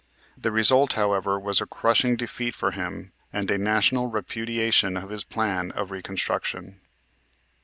The result, however, was a crushing defeat for him and a national repudiation of his plan of reconstruction.